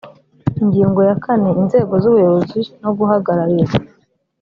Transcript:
ingingo ya kane inzego z ubuyobozi no guhagararirwa